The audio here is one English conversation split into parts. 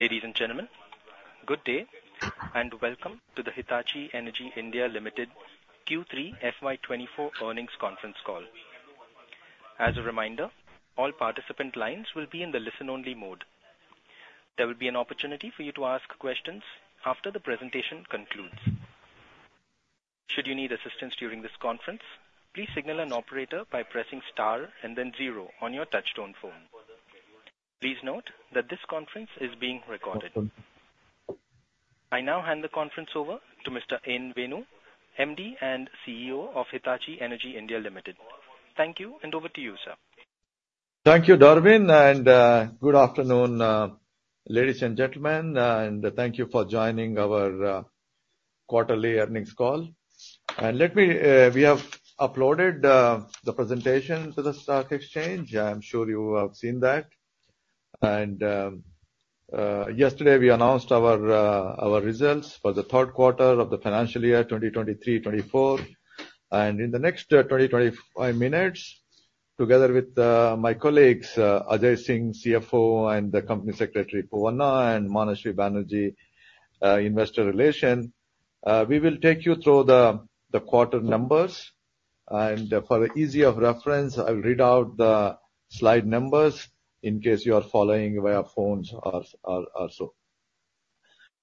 Ladies and gentlemen, good day, and welcome to the Hitachi Energy India Limited Q3 FY 2024 earnings conference call. As a reminder, all participant lines will be in the listen-only mode. There will be an opportunity for you to ask questions after the presentation concludes. Should you need assistance during this conference, please signal an operator by pressing star and then zero on your touch-tone phone. Please note that this conference is being recorded. I now hand the conference over to Mr. N. Venu, MD and CEO of Hitachi Energy India Limited. Thank you, and over to you, sir. Thank you, Darwin, and good afternoon, ladies and gentlemen, and thank you for joining our quarterly earnings call. Let me, we have uploaded the presentation to the stock exchange. I'm sure you have seen that. Yesterday, we announced our results for the third quarter of the financial year 2023, 2024. In the next 25 minutes, together with my colleagues, Ajay Singh, CFO, and the Company Secretary, Poovanna, and Manashri Banerjee, Investor Relations, we will take you through the quarter numbers. For the ease of reference, I will read out the slide numbers in case you are following via phones or also.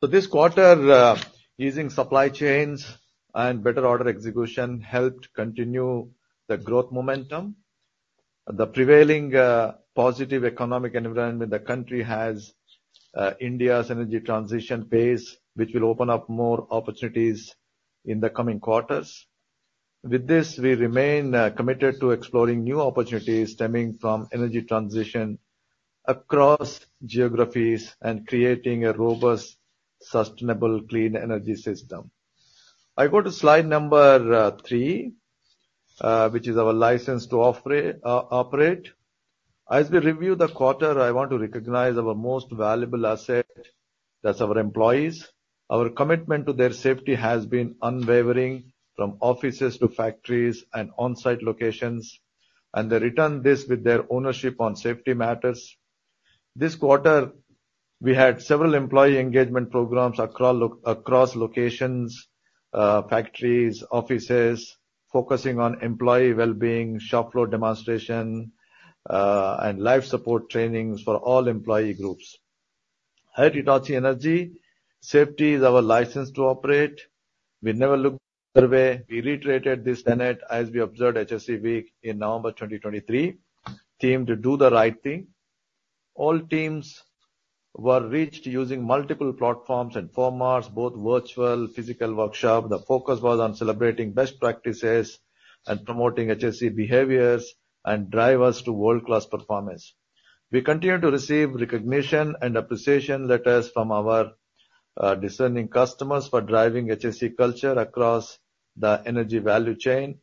So this quarter, using supply chains and better order execution helped continue the growth momentum. The prevailing, positive economic environment the country has, India's energy transition phase, which will open up more opportunities in the coming quarters. With this, we remain, committed to exploring new opportunities stemming from energy transition across geographies and creating a robust, sustainable, clean energy system. I go to slide number, three, which is our license to operate. As we review the quarter, I want to recognize our most valuable asset, that's our employees. Our commitment to their safety has been unwavering, from offices to factories and on-site locations, and they return this with their ownership on safety matters. This quarter, we had several employee engagement programs across locations, factories, offices, focusing on employee well-being, shop floor demonstration, and life support trainings for all employee groups. At Hitachi Energy, safety is our license to operate. We never look the other way. We reiterated this tenet as we observed HSE Week in November 2023, themed Do the Right Thing. All teams were reached using multiple platforms and formats, both virtual, physical workshop. The focus was on celebrating best practices and promoting HSE behaviors and drive us to world-class performance. We continue to receive recognition and appreciation letters from our discerning customers for driving HSE culture across the energy value chain.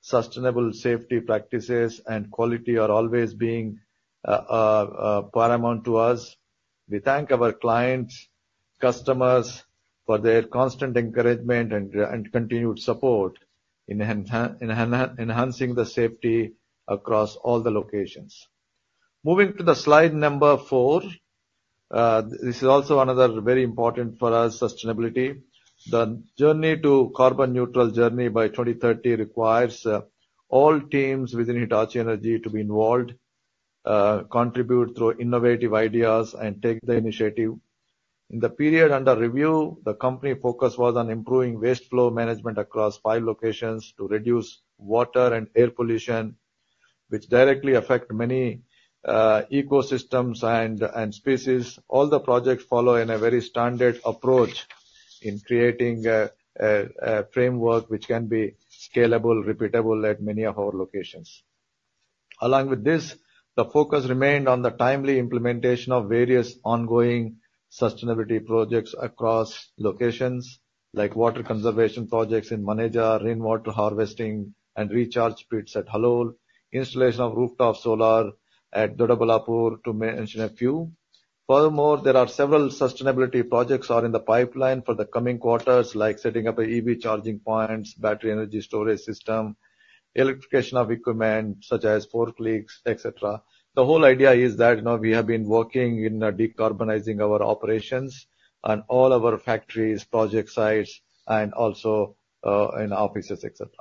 Sustainable safety practices and quality are always being paramount to us. We thank our clients, customers, for their constant encouragement and continued support in enhancing the safety across all the locations. Moving to the slide number four. This is also another very important for us, sustainability. The journey to carbon neutral journey by 2030 requires all teams within Hitachi Energy to be involved, contribute through innovative ideas, and take the initiative. In the period under review, the company focus was on improving waste flow management across five locations to reduce water and air pollution, which directly affect many ecosystems and species. All the projects follow in a very standard approach in creating a framework which can be scalable, repeatable at many of our locations. Along with this, the focus remained on the timely implementation of various ongoing sustainability projects across locations, like water conservation projects in Maneja, rainwater harvesting and recharge pits at Halol, installation of rooftop solar at Doddaballapur, to mention a few. Furthermore, there are several sustainability projects are in the pipeline for the coming quarters, like setting up EV charging points, battery energy storage system, electrification of equipment such as forklifts, et cetera. The whole idea is that, you know, we have been working in, decarbonizing our operations on all our factories, project sites, and also, in offices, et cetera.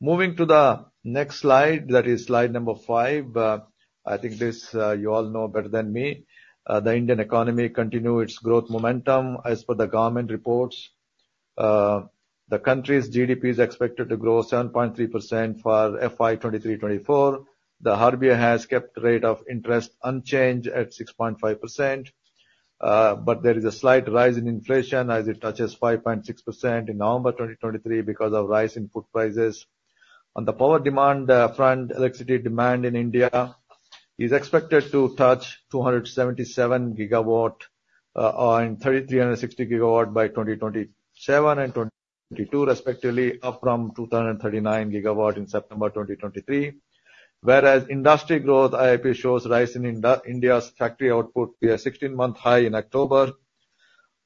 Moving to the next slide, that is slide number five. I think this, you all know better than me. The Indian economy continue its growth momentum. As per the government reports, the country's GDP is expected to grow 7.3% for FY 2023-2024. The RBI has kept the rate of interest unchanged at 6.5%. But there is a slight rise in inflation as it touches 5.6% in November 2023 because of rise in food prices. On the power demand front, electricity demand in India is expected to touch 277 GW or 360 GW by 2027 and 2022, respectively, up from 239 GW in September 2023. Whereas industry growth, IIP, shows rise in India's factory output to a 16-month high in October.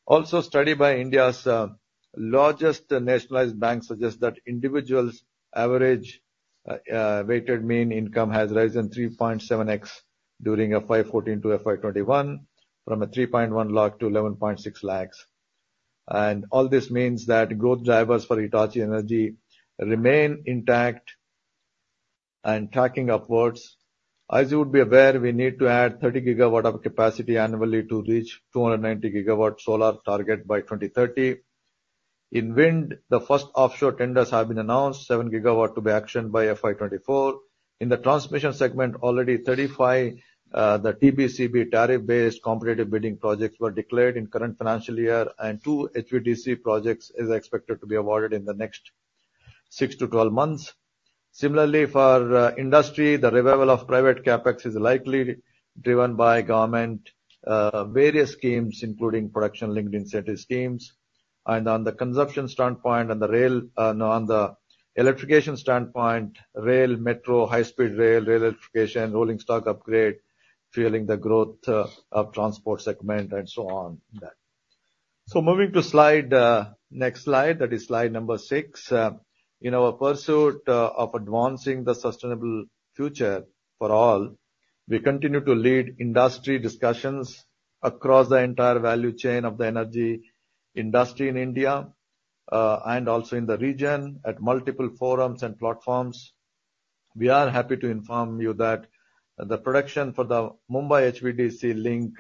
Also, study by India's largest nationalized bank suggests that individuals' average weighted mean income has risen 3.7x during FY 2014 to FY 2021, from 3.1 lakh to 11.6 lakhs. And all this means that growth drivers for Hitachi Energy remain intact and tracking upwards. As you would be aware, we need to add 30 GW of capacity annually to reach 290 GW solar target by 2030. In wind, the first offshore tenders have been announced, 7 GW to be auctioned by FY 2024. In the transmission segment, already 35, the TBCB, Tariff-Based Competitive Bidding projects were declared in current financial year, and two HVDC projects is expected to be awarded in the next six to 12 months. Similarly, for industry, the revival of private CapEx is likely driven by government various schemes, including production-linked incentive schemes. And on the consumption standpoint, on the rail, on the electrification standpoint, rail, metro, high-speed rail, rail electrification, rolling stock upgrade, fueling the growth of transport segment, and so on that. So moving to slide, next slide, that is slide number six. In our pursuit of advancing the sustainable future for all, we continue to lead industry discussions across the entire value chain of the energy industry in India, and also in the region at multiple forums and platforms. We are happy to inform you that the production for the Mumbai HVDC link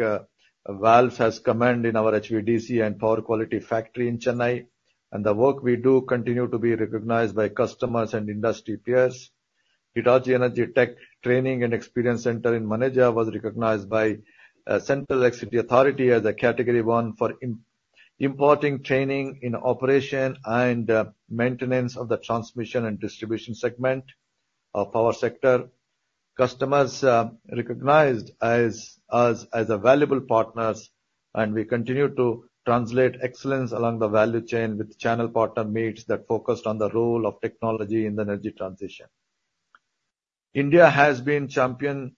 valves has commenced in our HVDC and power quality factory in Chennai. And the work we do continue to be recognized by customers and industry peers. Hitachi Energy Tech Training and Experience Center in Manesar was recognized by Central Electricity Authority as a Category One for imparting training in operation and maintenance of the transmission and distribution segment of power sector. Customers, recognized as a valuable partners, and we continue to translate excellence along the value chain with channel partner meets that focused on the role of technology in the energy transition. India has been championing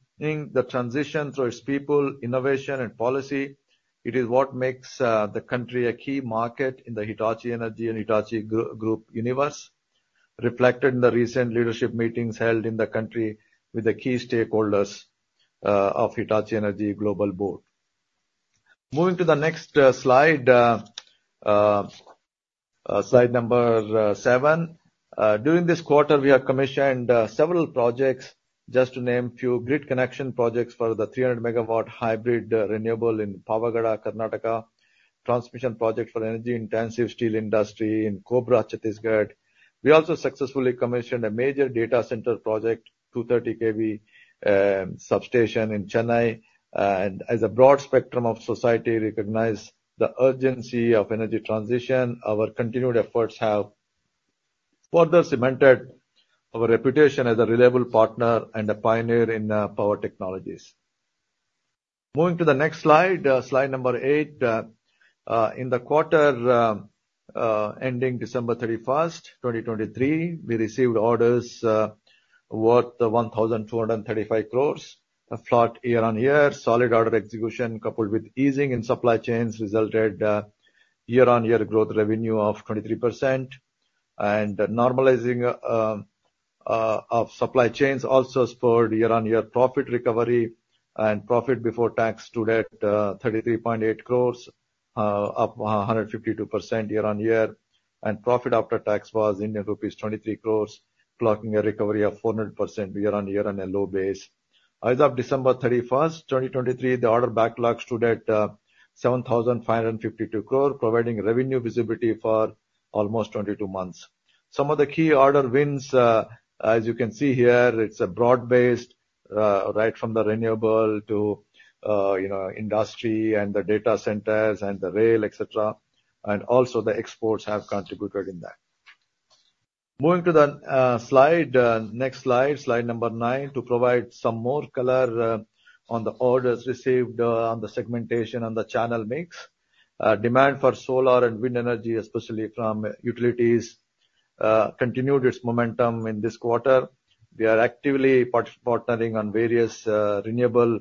the transition through its people, innovation, and policy. It is what makes the country a key market in the Hitachi Energy and Hitachi Group universe, reflected in the recent leadership meetings held in the country with the key stakeholders of Hitachi Energy Global Board. Moving to the next slide, slide number seven. During this quarter, we have commissioned several projects, just to name a few, grid connection projects for the 300 MW hybrid renewable in Pavagada, Karnataka, transmission project for energy intensive steel industry in Korba, Chhattisgarh. We also successfully commissioned a major data center project, 230 kV substation in Chennai. And as a broad spectrum of society recognize the urgency of energy transition, our continued efforts have further cemented our reputation as a reliable partner and a pioneer in power technologies. Moving to the next slide, slide number eight. In the quarter ending December 31st, 2023, we received orders worth 1,235 crores, a flat year-on-year. Solid order execution, coupled with easing in supply chains, resulted year-on-year growth revenue of 23%. Normalizing of supply chains also spurred year-on-year profit recovery and profit before tax stood at 33.8 crores, up 152% year-on-year, and profit after tax was Indian rupees 23 crores, clocking a recovery of 400% year-on-year on a low base. As of December 31, 2023, the order backlogs stood at 7,552 crore, providing revenue visibility for almost 22 months. Some of the key order wins, as you can see here, it's a broad-based, right from the renewable to, you know, industry and the data centers and the rail, et cetera, and also the exports have contributed in that. Moving to the slide, next slide, slide number nine, to provide some more color on the orders received on the segmentation and the channel mix. Demand for solar and wind energy, especially from utilities, continued its momentum in this quarter. We are actively partnering on various renewable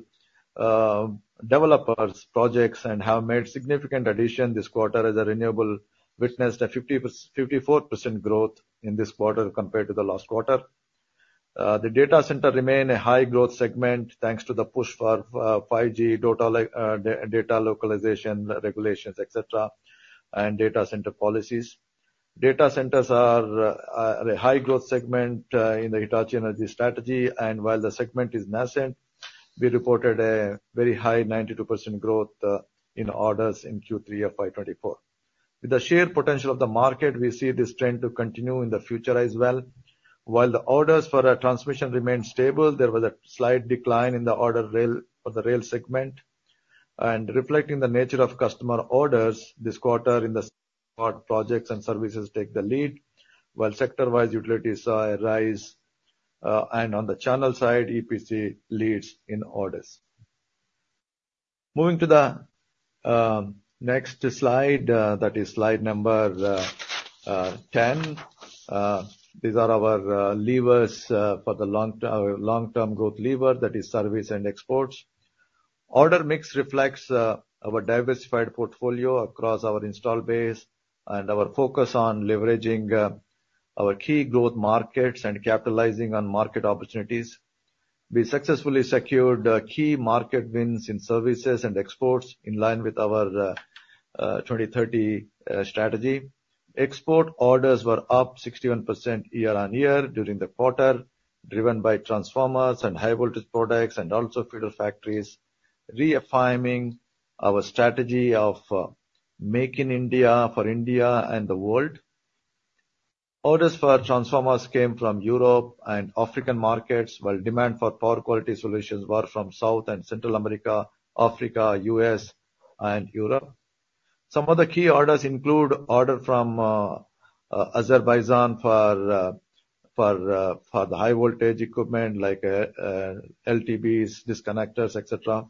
developers projects and have made significant addition this quarter as a renewable witnessed a 54% growth in this quarter compared to the last quarter. The data center remain a high growth segment, thanks to the push for 5G data localization regulations, et cetera, and data center policies. Data centers are a high growth segment in the Hitachi Energy strategy, and while the segment is nascent, we reported a very high 92% growth in orders in Q3 of FY 2024. With the sheer potential of the market, we see this trend to continue in the future as well. While the orders for our transmission remained stable, there was a slight decline in the order rail for the rail segment. Reflecting the nature of customer orders this quarter in the part projects and services take the lead, while sector-wise, utilities saw a rise. And on the channel side, EPC leads in orders. Moving to the next slide, that is slide number 10, these are our levers for our long-term growth lever, that is service and exports. Order mix reflects our diversified portfolio across our install base and our focus on leveraging our key growth markets and capitalizing on market opportunities. We successfully secured key market wins in services and exports, in line with our 2030 strategy. Export orders were up 61% year-on-year during the quarter, driven by transformers and high voltage products and also feeder factories, reaffirming our strategy of making India for India and the world. Orders for transformers came from Europe and African markets, while demand for power quality solutions were from South and Central America, Africa, U.S., and Europe. Some of the key orders include order from Azerbaijan for the high voltage equipment like LTBs, disconnectors, et cetera,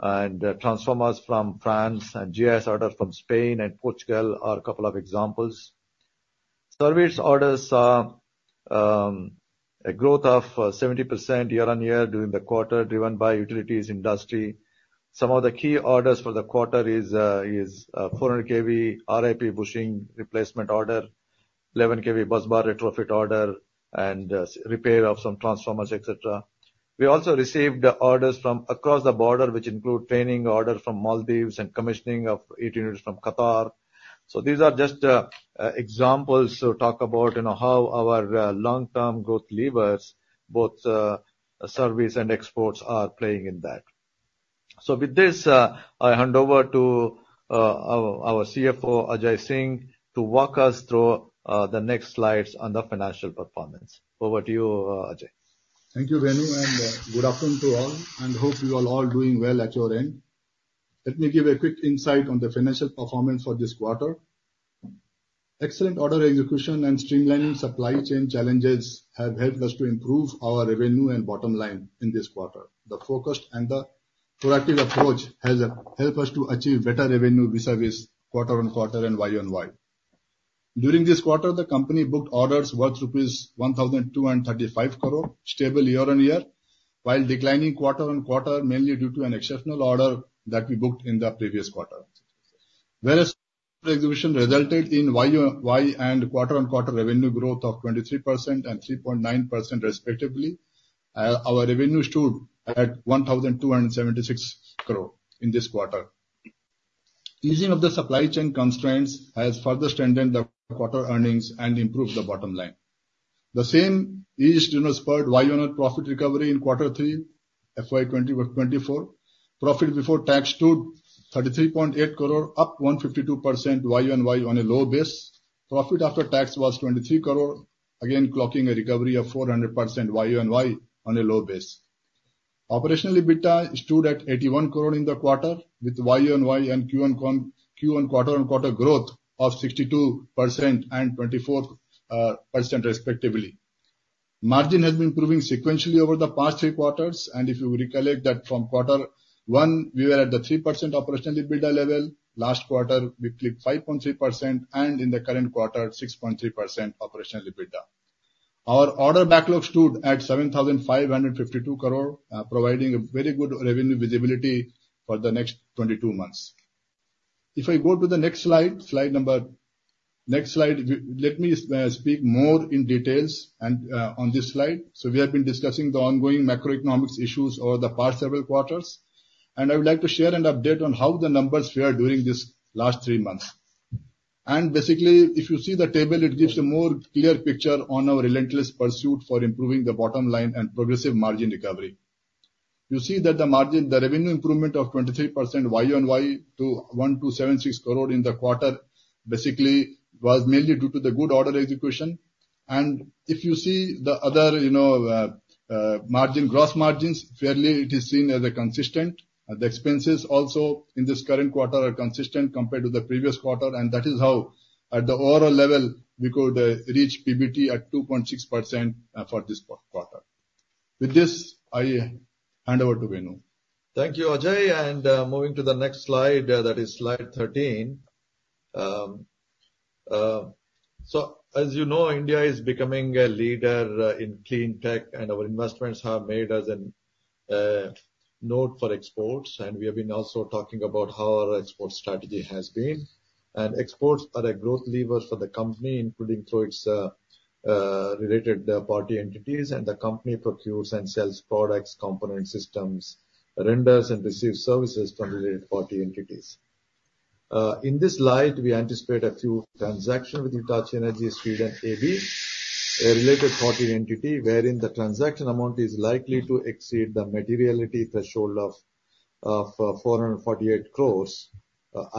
and transformers from France, and GIS order from Spain and Portugal are a couple of examples. Service orders are a growth of 70% year-on-year during the quarter, driven by utilities industry. Some of the key orders for the quarter is 400 kV RIP bushing replacement order, 11 kV bus bar retrofit order, and repair of some transformers, et cetera. We also received orders from across the border, which include training orders from Maldives and commissioning of eight units from Qatar. So these are just examples to talk about, you know, how our long-term growth levers, both service and exports, are playing in that. So with this, I hand over to our CFO, Ajay Singh, to walk us through the next slides on the financial performance. Over to you, Ajay. Thank you, Venu, and good afternoon to all, and hope you are all doing well at your end. Let me give a quick insight on the financial performance for this quarter. Excellent order execution and streamlining supply chain challenges have helped us to improve our revenue and bottom line in this quarter. The focus and the proactive approach has helped us to achieve better revenue vis-à-vis quarter-on-quarter and year-on-year. During this quarter, the company booked orders worth rupees 1,235 crore, stable year-on-year, while declining quarter-on-quarter, mainly due to an exceptional order that we booked in the previous quarter. Whereas execution resulted in year-on-year and quarter-on-quarter revenue growth of 23% and 3.9% respectively, our revenue stood at 1,276 crore in this quarter. Easing of the supply chain constraints has further strengthened the quarter earnings and improved the bottom line. The same ease, you know, spurred year-on-year profit recovery in quarter three, FY 2024. Profit before tax stood 33.8 crore, up 152% year-on-year on a low base. Profit after tax was 23 crore, again, clocking a recovery of 400% year-on-year on a low base. Operationally, EBITDA stood at 81 crore in the quarter, with year-on-year and quarter-on-quarter growth of 62% and 24%, respectively. Margin has been improving sequentially over the past three quarters, and if you recollect that from quarter one, we were at the 3% operational EBITDA level. Last quarter, we clocked 5.3%, and in the current quarter, 6.3% operational EBITDA. Our order backlog stood at 7,552 crore, providing a very good revenue visibility for the next 22 months. If I go to the next slide, slide number... Next slide, let me speak more in detail on this slide. So we have been discussing the ongoing macroeconomic issues over the past several quarters, and I would like to share an update on how the numbers fared during this last three months. Basically, if you see the table, it gives a more clear picture on our relentless pursuit for improving the bottom line and progressive margin recovery. You see that the margin, the revenue improvement of 23% year-on-year to 1,076 crore in the quarter, basically was mainly due to the good order execution. If you see the other, you know, margin, gross margins, fairly it is seen as a consistent. The expenses also in this current quarter are consistent compared to the previous quarter, and that is how, at the overall level, we could reach PBT at 2.6% for this quarter. With this, I hand over to Venu. Thank you, Ajay, and, moving to the next slide, that is slide 13. So as you know, India is becoming a leader, in clean tech, and our investments have made us an, node for exports, and we have been also talking about how our export strategy has been. Exports are a growth lever for the company, including through its, related party entities, and the company procures and sells products, component systems, renders and receives services from related party entities. In this slide, we anticipate a few transactions with Hitachi Energy Sweden AB, a related party entity, wherein the transaction amount is likely to exceed the materiality threshold of 448 crore,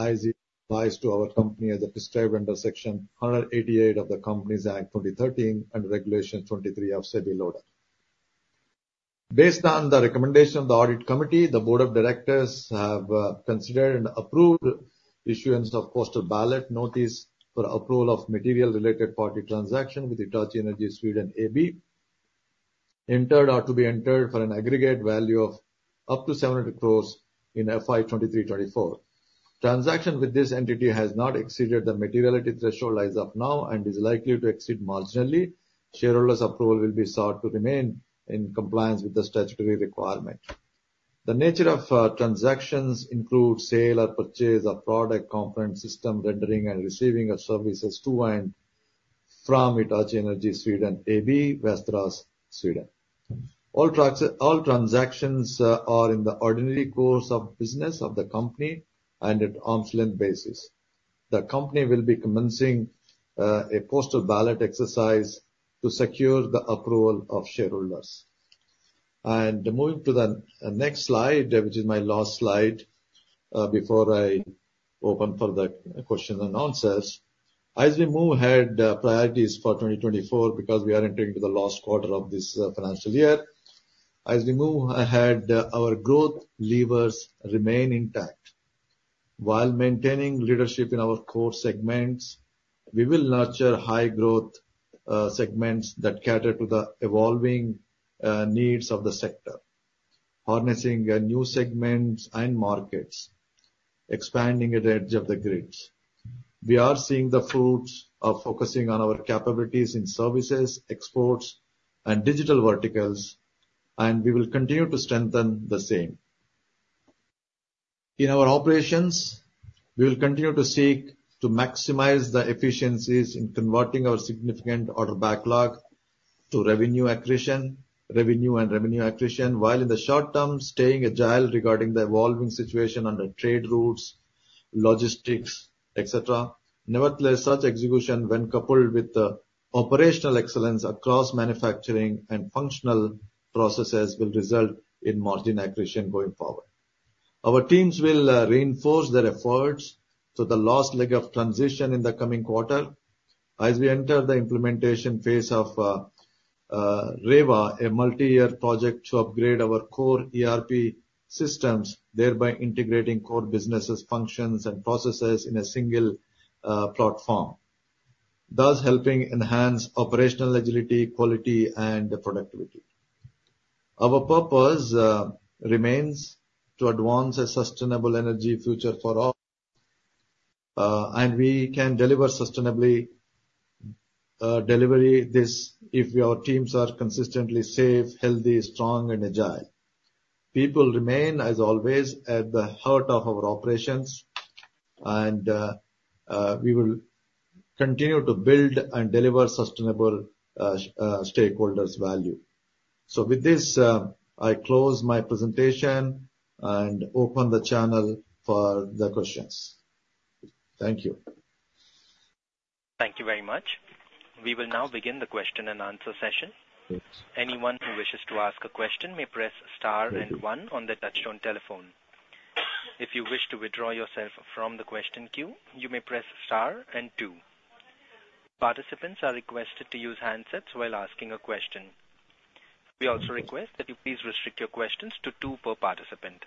as it applies to our company as described under Section 188 of the Companies Act 2013 and Regulation 23 of SEBI LODR. Based on the recommendation of the audit committee, the board of directors have considered and approved issuance of postal ballot notice for approval of material related party transaction with Hitachi Energy Sweden AB entered or to be entered for an aggregate value of up to 700 crore in FY 2023-2024. Transaction with this entity has not exceeded the materiality threshold as of now, and is likely to exceed marginally. Shareholders' approval will be sought to remain in compliance with the statutory requirement. The nature of transactions include sale or purchase of product, component, system, rendering, and receiving of services to and from Hitachi Energy Sweden AB, Västerås, Sweden. All transactions are in the ordinary course of business of the company and at arm's length basis. The company will be commencing a postal ballot exercise to secure the approval of shareholders. Moving to the next slide, which is my last slide, before I open for the question and answers. As we move ahead, priorities for 2024, because we are entering into the last quarter of this financial year. As we move ahead, our growth levers remain intact. While maintaining leadership in our core segments, we will nurture high growth segments that cater to the evolving needs of the sector, harnessing new segments and markets, expanding at the edge of the grids. We are seeing the fruits of focusing on our capabilities in services, exports, and digital verticals, and we will continue to strengthen the same. In our operations, we will continue to seek to maximize the efficiencies in converting our significant order backlog to revenue accretion, revenue and revenue accretion. While in the short term, staying agile regarding the evolving situation under trade routes, logistics, et cetera. Nevertheless, such execution, when coupled with the operational excellence across manufacturing and functional processes, will result in margin accretion going forward. Our teams will reinforce their efforts to the last leg of transition in the coming quarter as we enter the implementation phase of Reiwa, a multi-year project to upgrade our core ERP systems, thereby integrating core businesses, functions, and processes in a single platform, thus helping enhance operational agility, quality, and productivity. Our purpose remains to advance a sustainable energy future for all, and we can deliver sustainably delivery this if our teams are consistently safe, healthy, strong and agile. People remain, as always, at the heart of our operations, and we will continue to build and deliver sustainable stakeholders value. So with this, I close my presentation and open the channel for the questions. Thank you. Thank you very much. We will now begin the question and answer session. Yes. Anyone who wishes to ask a question may press star and one on their touchtone telephone. If you wish to withdraw yourself from the question queue, you may press star and two. Participants are requested to use handsets while asking a question. We also request that you please restrict your questions to two per participant.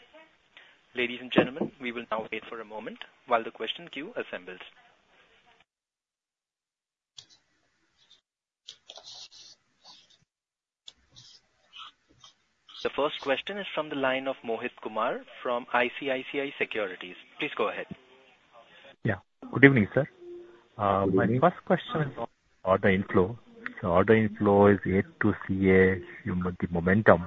Ladies and gentlemen, we will now wait for a moment while the question queue assembles. The first question is from the line of Mohit Kumar, from ICICI Securities. Please go ahead. Yeah. Good evening, sir. Good evening. My first question is on order inflow. So order inflow is yet to see a, you know, the momentum.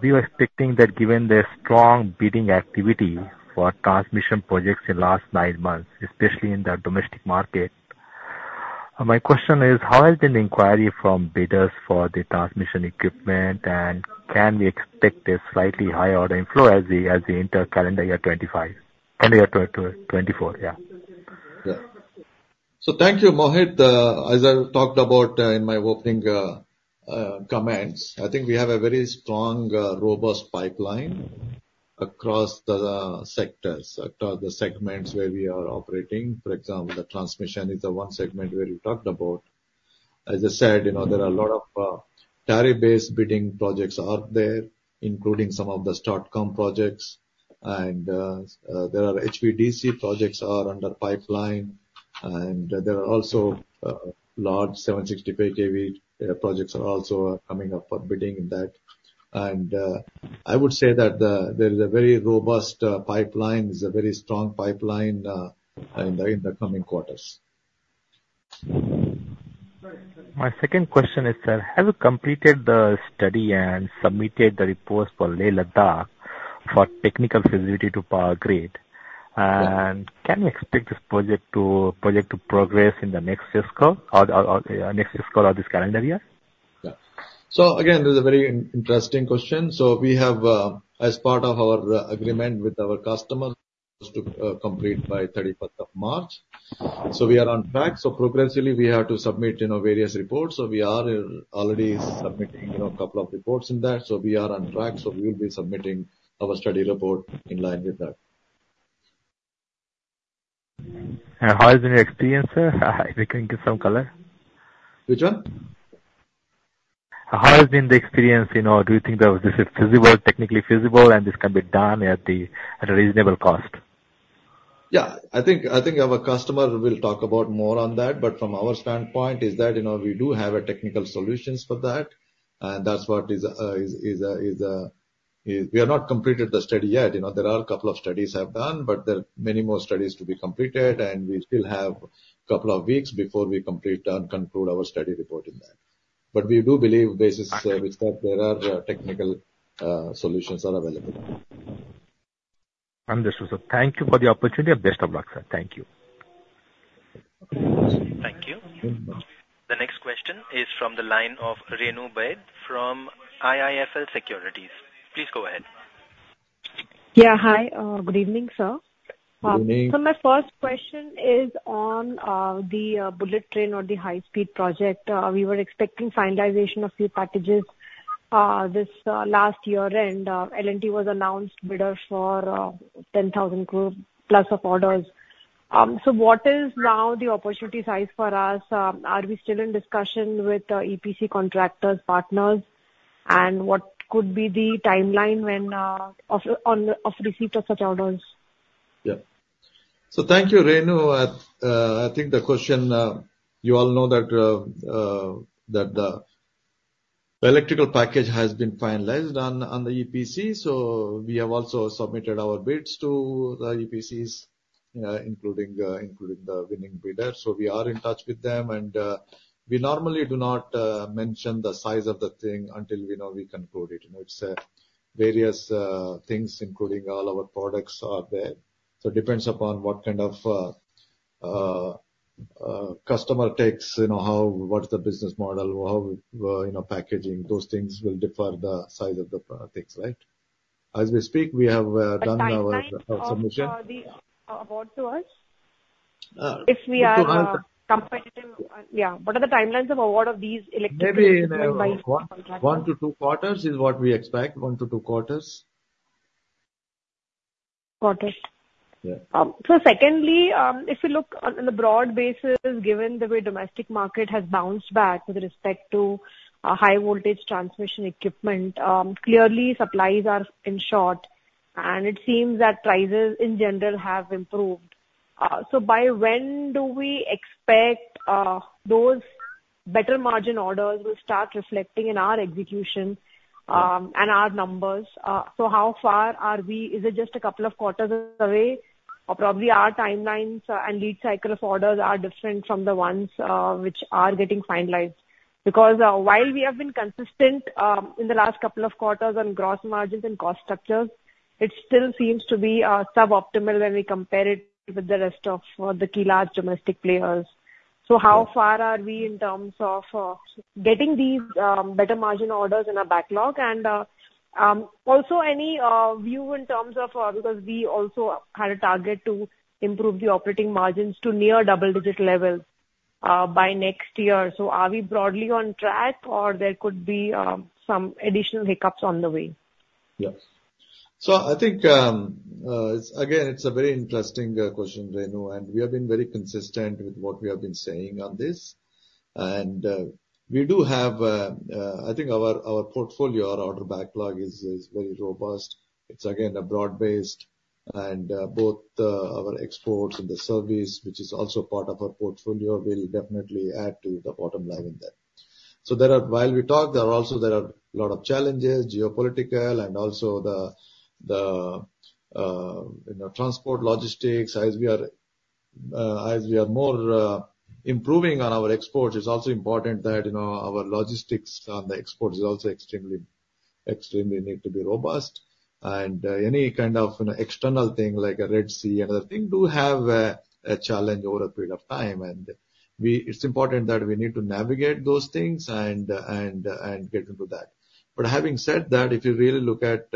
We were expecting that given the strong bidding activity for transmission projects in the last nine months, especially in the domestic market. My question is, how has been inquiry from bidders for the transmission equipment, and can we expect a slightly higher order inflow as we, as we enter calendar year 2025? Calendar year 2024, yeah. Yeah. So thank you, Mohit. As I talked about in my opening comments, I think we have a very strong robust pipeline across the sectors, across the segments where we are operating. For example, the transmission is the one segment where you talked about. As I said, you know, there are a lot of tariff-based bidding projects out there, including some of the STATCOM projects. And there are HVDC projects are under pipeline, and there are also large 765 kV projects are also coming up for bidding in that. And I would say that the there is a very robust pipeline, is a very strong pipeline in the coming quarters. My second question is, sir, have you completed the study and submitted the report for Leh, Ladakh, for technical feasibility to Power Grid? Yeah. Can we expect this project to progress in the next fiscal or this calendar year? Yeah. So again, this is a very interesting question. So we have, as part of our agreement with our customer, to complete by 31st of March. So we are on track. So progressively, we have to submit, you know, various reports. So we are already submitting, you know, a couple of reports in that. So we are on track, so we will be submitting our study report in line with that. How has been your experience, sir? We can give some color. Which one? How has been the experience? You know, do you think that this is feasible, technically feasible, and this can be done at the... at a reasonable cost? Yeah, I think, I think our customer will talk about more on that, but from our standpoint is that, you know, we do have a technical solutions for that, and that's what is – We have not completed the study yet, you know. There are a couple of studies I've done, but there are many more studies to be completed, and we still have a couple of weeks before we complete and conclude our study report in that. But we do believe basis with that there are technical solutions are available. Understood, sir. Thank you for the opportunity, and best of luck, sir. Thank you. Thank you. The next question is from the line of Renu Baid from IIFL Securities. Please go ahead. Yeah, hi. Good evening, sir. Good evening. My first question is on the bullet train or the high-speed project. We were expecting finalization of few packages this last year-end. L&T was announced bidder for 10,000 crore plus of orders. So what is now the opportunity size for us? Are we still in discussion with EPC contractors, partners? And what could be the timeline when of on of receipt of such orders? Yeah. So thank you, Renu. I think the question, you all know that, that the electrical package has been finalized on the EPC, so we have also submitted our bids to the EPCs, including the winning bidder. So we are in touch with them, and we normally do not mention the size of the thing until, you know, we conclude it. You know, it's various things, including all our products are there. So it depends upon what kind of customer takes, you know, how, what's the business model, how, you know, packaging, those things will differ the size of the things, right? As we speak, we have done our submission. The timeline of the award to us? Uh- If we are competitive... Yeah. What are the timelines of award of these electric- Maybe one to two quarters is what we expect. One to two quarters. Quarters? Yeah. So secondly, if you look on the broad basis, given the way domestic market has bounced back with respect to high voltage transmission equipment, clearly supplies are in short, and it seems that prices in general have improved. So by when do we expect those better margin orders will start reflecting in our execution and our numbers? So how far are we? Is it just a couple of quarters away, or probably our timelines and lead cycle of orders are different from the ones which are getting finalized? Because while we have been consistent in the last couple of quarters on gross margins and cost structures, it still seems to be suboptimal when we compare it with the rest of the key large domestic players. So how far are we in terms of getting these better margin orders in our backlog? And also any view in terms of because we also had a target to improve the operating margins to near double-digit levels by next year. So are we broadly on track, or there could be some additional hiccups on the way? Yes. So I think, again, it's a very interesting question, Renu, and we have been very consistent with what we have been saying on this. And we do have. I think our portfolio, our order backlog is very robust. It's again, a broad-based, and both our exports and the service, which is also part of our portfolio, will definitely add to the bottom line in that. So there are challenges. While we talk, there are also a lot of challenges, geopolitical and also the you know, transport, logistics. As we are more improving on our exports, it's also important that you know, our logistics on the exports is also extremely need to be robust. Any kind of, you know, external thing, like a Red Sea, another thing, do have a challenge over a period of time. It's important that we need to navigate those things and get into that. But having said that, if you really look at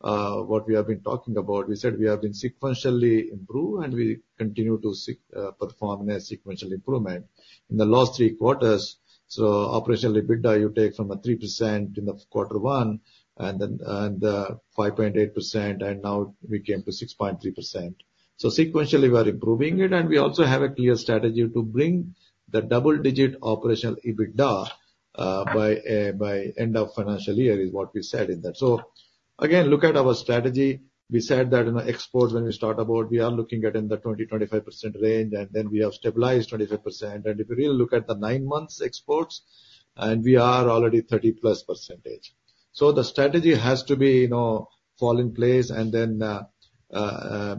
what we have been talking about, we said we have been sequentially improved, and we continue to see perform a sequential improvement. In the last three quarters, so operational EBITDA, you take from a 3% in quarter one, and then 5.8%, and now we came to 6.3%. So sequentially, we are improving it, and we also have a clear strategy to bring the double-digit operational EBITDA by end of financial year, is what we said in that. So again, look at our strategy. We said that in the exports, when we start about, we are looking at in the 20%-25% range, and then we have stabilized 25%. And if you really look at the nine months exports, and we are already 30%+. So the strategy has to be, you know, fall in place and then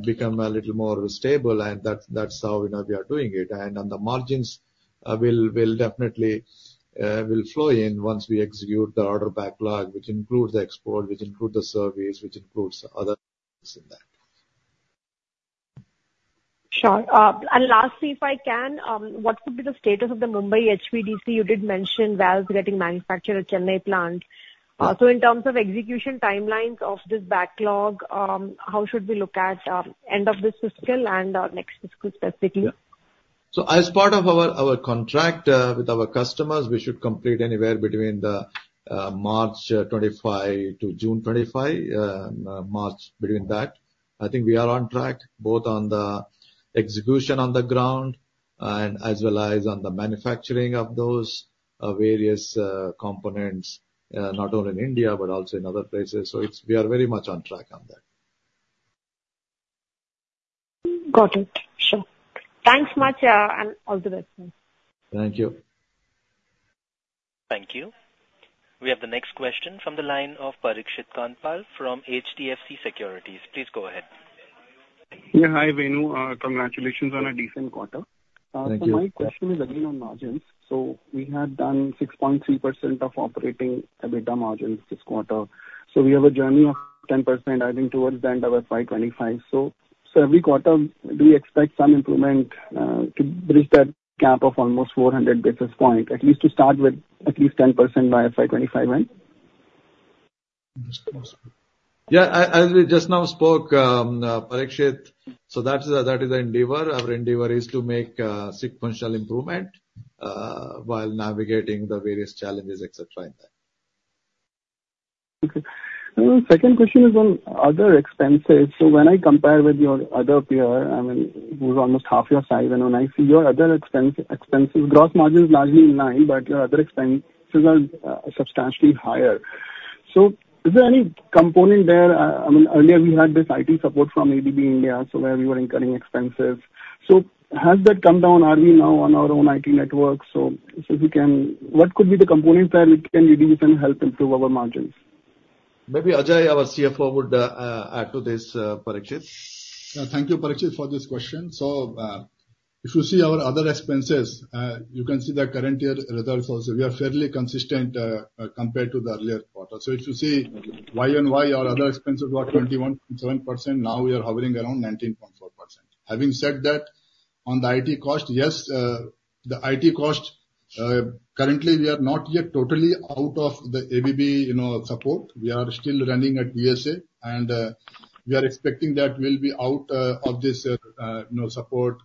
become a little more stable, and that's, that's how, you know, we are doing it. And on the margins, we'll, we'll definitely will flow in once we execute the order backlog, which includes the export, which includes the service, which includes other things in that. Sure. And lastly, if I can, what could be the status of the Mumbai HVDC? You did mention valves getting manufactured at Chennai plant. So in terms of execution timelines of this backlog, how should we look at end of this fiscal and next fiscal specifically? So as part of our contract with our customers, we should complete anywhere between March 2025 to June 2025, between that. I think we are on track, both on the execution on the ground, and as well as on the manufacturing of those various components, not only in India but also in other places. So it's we are very much on track on that. Got it. Sure. Thanks much, yeah, and all the best. Thank you. Thank you. We have the next question from the line of Parikshit Kandpal from HDFC Securities. Please go ahead. Yeah, hi, Venu. Congratulations on a decent quarter. Thank you. So my question is again on margins. So we had done 6.3% of operating EBITDA margins this quarter, so we have a journey of 10%, I think, towards the end of FY 2025. So, so every quarter, do you expect some improvement, to bridge that gap of almost 400 basis points, at least to start with, at least 10% by FY 2025, right? Yeah. As we just now spoke, Parikshit, so that is, that is our endeavor. Our endeavor is to make sequential improvement while navigating the various challenges, et cetera, in that. Okay. Second question is on other expenses. So when I compare with your other peer, I mean, who's almost half your size, and when I see your other expense, expenses, gross margin is largely in line, but your other expenses are substantially higher. So is there any component there? I mean, earlier we had this IT support from ABB India, so where we were incurring expenses. So has that come down? Are we now on our own IT network, so, so we can... What could be the components that we can maybe we can help improve our margins? Maybe Ajay, our CFO, would add to this, Parikshit. Thank you, Parikshit, for this question. So, if you see our other expenses, you can see the current year results also, we are fairly consistent, compared to the earlier quarter. So if you see year-on-year, our other expenses were 21.7%, now we are hovering around 19.4%. Having said that, on the IT cost, yes, the IT cost, currently we are not yet totally out of the ABB, you know, support. We are still running at TSA, and, we are expecting that we'll be out of this, you know, support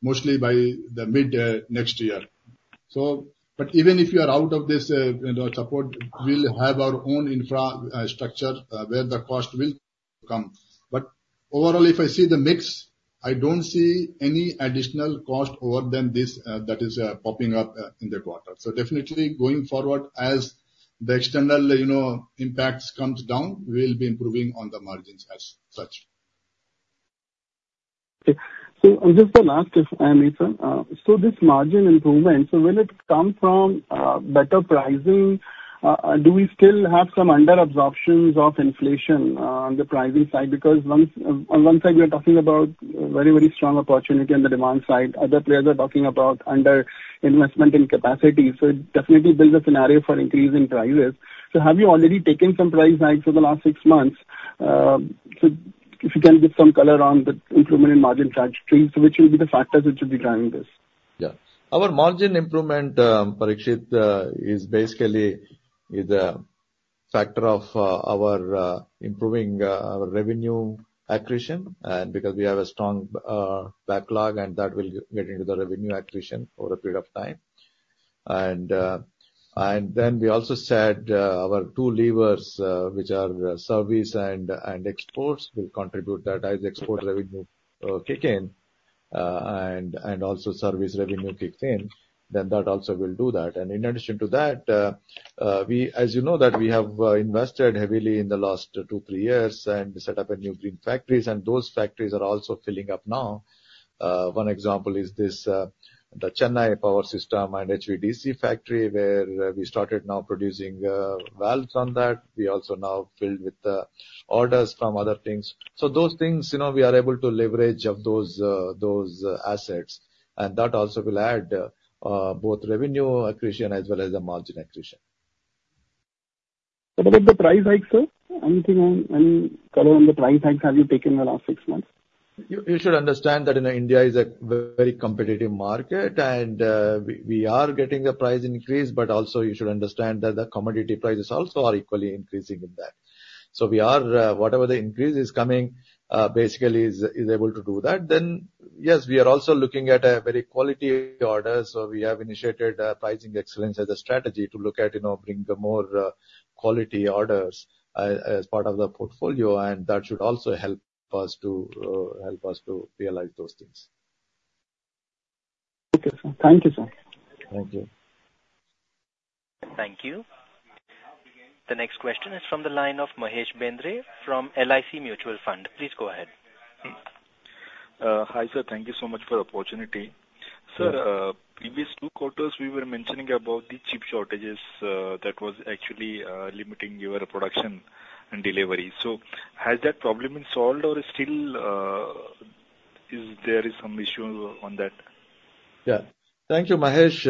mostly by the mid next year. So, but even if you are out of this, you know, support, we'll have our own infrastructure, where the cost will come. Overall, if I see the mix, I don't see any additional cost more than this, that is, popping up in the quarter. Definitely going forward as the external, you know, impacts comes down, we'll be improving on the margins as such. Okay. So just the last question, so this margin improvement, so will it come from better pricing? Do we still have some under absorptions of inflation on the pricing side? Because on one side we are talking about very, very strong opportunity on the demand side. Other players are talking about under investment in capacity, so it definitely builds a scenario for increase in prices. So have you already taken some price hikes for the last six months? So if you can give some color on the improvement in margin trajectory, so which will be the factors which will be driving this? Yeah. Our margin improvement, Parikshit, is basically a factor of our improving our revenue accretion, and because we have a strong backlog, and that will get into the revenue accretion over a period of time. And then we also said our two levers, which are service and exports, will contribute that as export revenue kicks in, and also service revenue kicks in, then that also will do that. And in addition to that, as you know, we have invested heavily in the last two, three years and set up new green factories, and those factories are also filling up now. One example is the Chennai power system and HVDC factory, where we started now producing valves on that. We also now filled with orders from other things. So those things, you know, we are able to leverage of those those assets, and that also will add both revenue accretion as well as the margin accretion. What about the price hike, sir? Anything on, any color on the price hikes have you taken in the last six months? You should understand that, you know, India is a very competitive market, and we are getting a price increase, but also you should understand that the commodity prices also are equally increasing in that. So we are whatever the increase is coming, basically is able to do that. Then, yes, we are also looking at a very quality order, so we have initiated a pricing excellence as a strategy to look at, you know, bringing more quality orders as part of the portfolio, and that should also help us to realize those things. Okay, sir. Thank you, sir. Thank you. Thank you. The next question is from the line of Mahesh Bendre from LIC Mutual Fund. Please go ahead. Hi, sir. Thank you so much for the opportunity. Sir, previous two quarters, we were mentioning about the chip shortages that was actually limiting your production and delivery. So has that problem been solved or still is there some issue on that? Yeah. Thank you, Mahesh.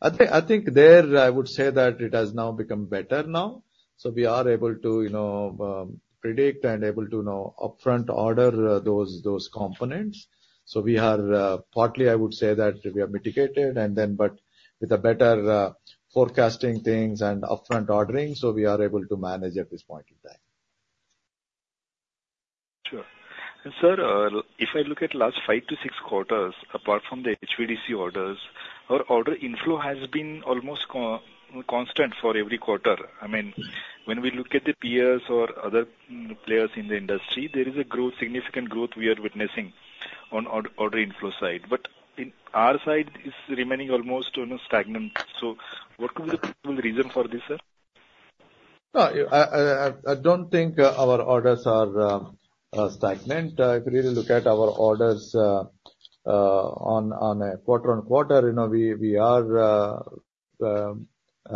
I think there I would say that it has now become better now, so we are able to, you know, predict and able to, you know, upfront order those components. So we are partly I would say that we are mitigated and then, but with a better forecasting things and upfront ordering, so we are able to manage at this point in time. Sure. And, sir, if I look at last five to six quarters, apart from the HVDC orders. Our order inflow has been almost constant for every quarter. I mean, when we look at the peers or other players in the industry, there is a growth, significant growth we are witnessing on order inflow side. But in our side, it's remaining almost, you know, stagnant. So what could be the possible reason for this, sir? No, I don't think our orders are stagnant. If you really look at our orders, on a quarter-on-quarter, you know, we are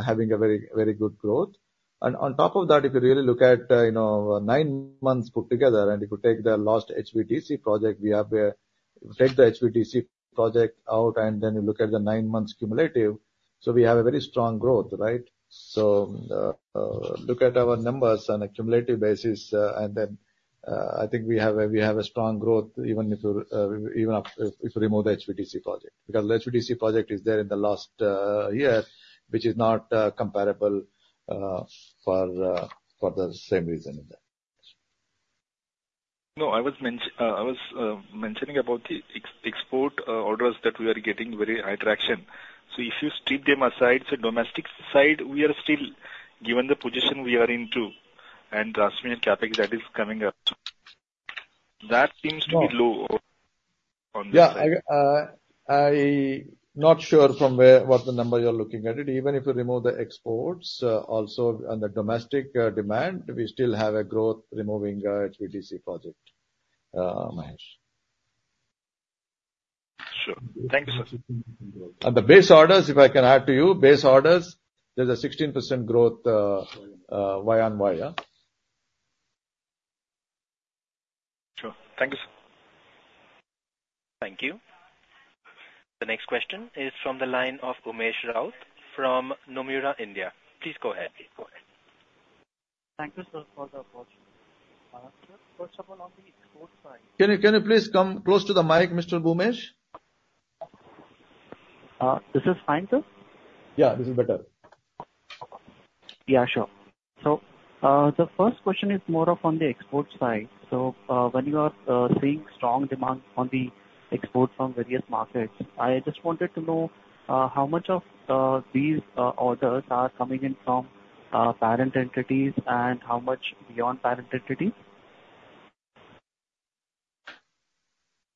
having a very, very good growth. And on top of that, if you really look at, you know, nine months put together, and if you take the last HVDC project, we have a—take the HVDC project out, and then you look at the nine months cumulative, so we have a very strong growth, right? So, look at our numbers on a cumulative basis, and then, I think we have a strong growth, even if you even if you remove the HVDC project. Because the HVDC project is there in the last year, which is not comparable for the same reason in there. No, I was mentioning about the export orders that we are getting very high traction. So if you strip them aside to domestic side, we are still, given the position we are into, and transmission CapEx that is coming up, that seems to be low on this side. Yeah, I'm not sure from where—what's the number you're looking at. Even if you remove the exports, also on the domestic demand, we still have a growth removing HVDC project, Mahesh. Sure. Thank you, sir. The base orders, if I can add to you, base orders, there's a 16% growth, year-on-year, yeah? Sure. Thank you, sir. Thank you. The next question is from the line of Umesh Raut from Nomura India. Please go ahead. Thank you, sir, for the opportunity. Sir, first of all, on the export side- Can you, can you please come close to the mic, Mr. Umesh? This is fine, sir? Yeah, this is better. Yeah, sure. So, the first question is more of on the export side. So, when you are seeing strong demand on the export from various markets, I just wanted to know, how much of these orders are coming in from parent entities and how much beyond parent entity?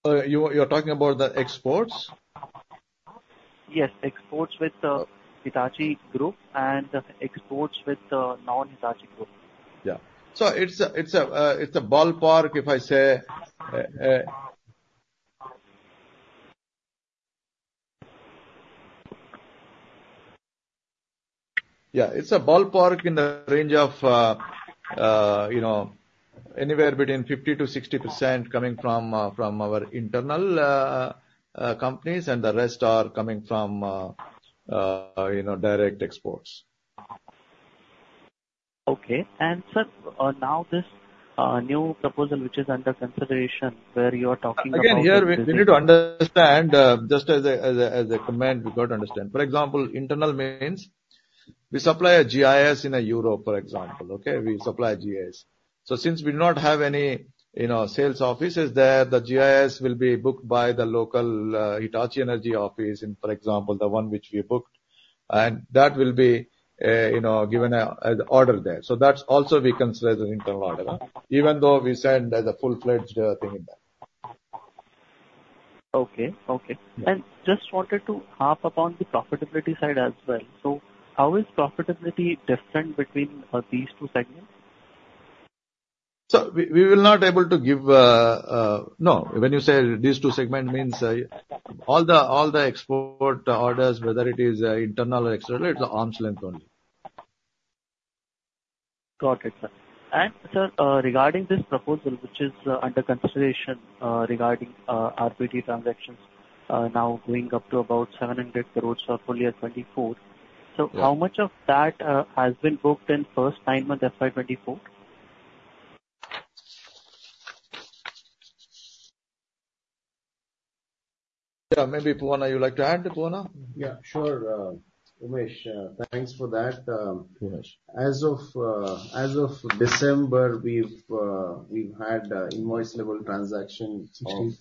You, you're talking about the exports? Yes, exports with the Hitachi Group and exports with the non-Hitachi Group. Yeah. So it's a ballpark in the range of, you know, anywhere between 50%-60% coming from our internal companies, and the rest are coming from, you know, direct exports. Okay. And, sir, now this new proposal which is under consideration, where you are talking about- Again, here we need to understand just as a comment, we got to understand. For example, internal means we supply a GIS in Europe, for example, okay? We supply GIS. So since we do not have any, you know, sales offices there, the GIS will be booked by the local Hitachi Energy office, and for example, the one which we booked, and that will be, you know, given as an order there. So that's also we consider as an internal order, even though we send as a full-fledged thing in that. Okay. Okay. Yeah. Just wanted to harp upon the profitability side as well. How is profitability different between these two segments? So we, we will not able to give. No, when you say these two segment, means, all the, all the export orders, whether it is, internal or external, it's an arm's length only. Got it, sir. Sir, regarding this proposal, which is under consideration regarding RPT transactions, now going up to about 700 crore for full year 2024. Yeah. How much of that has been booked in first nine months, FY 2024? Yeah, maybe, Poovanna, you would like to add, Poovanna? Yeah, sure, Umesh, thanks for that, Umesh. As of December, we've had invoice level transaction of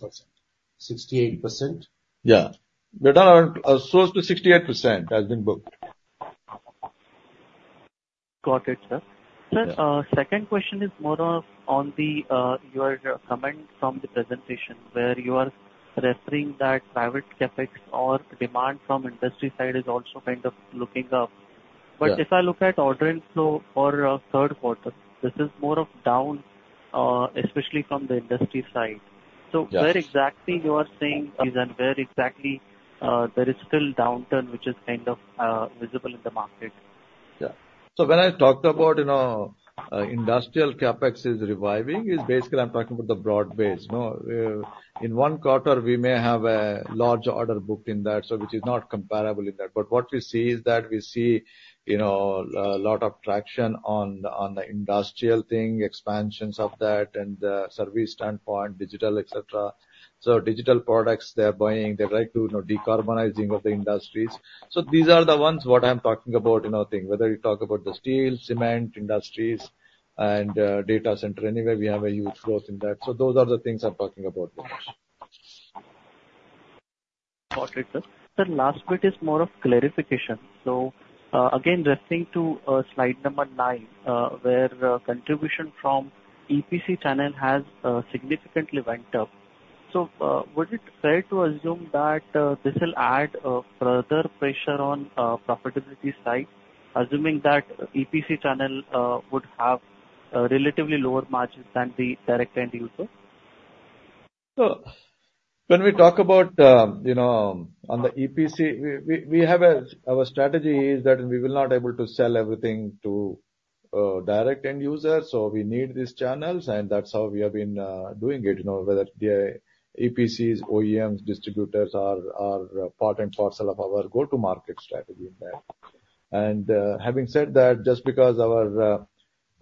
68%. Yeah. Data, so as to 68% has been booked. Got it, sir. Yeah. Sir, second question is more on your comment from the presentation, where you are referring that private CapEx or demand from industry side is also kind of looking up. Yeah. But if I look at order inflow for third quarter, this is more of down, especially from the industry side. Yes. So where exactly you are saying, and where exactly, there is still downturn, which is kind of, visible in the market? Yeah. So when I talked about, you know, industrial CapEx is reviving, is basically I'm talking about the broad base. No, in one quarter we may have a large order booked in that, so which is not comparable in that. But what we see is that we see, you know, a lot of traction on, on the industrial thing, expansions of that and the service standpoint, digital, et cetera. So digital products, they're buying, they're trying to, you know, decarbonizing of the industries. So these are the ones, what I'm talking about, you know, thing, whether you talk about the steel, cement industries and, data center, anyway, we have a huge growth in that. So those are the things I'm talking about, Umesh. Got it, sir. Sir, last bit is more of clarification. So, again, referring to, slide number nine, where, contribution from EPC channel has, significantly went up. So, would it fair to assume that, this will add, further pressure on, profitability side, assuming that EPC channel, would have, relatively lower margins than the direct end user? So when we talk about, you know, on the EPC, we have a—Our strategy is that we will not able to sell everything to direct end users, so we need these channels, and that's how we have been doing it, you know, whether the EPCs, OEMs, distributors are part and parcel of our go-to-market strategy in that. And having said that, just because our